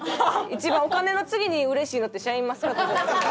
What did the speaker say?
一番お金の次にうれしいのってシャインマスカットじゃないですか。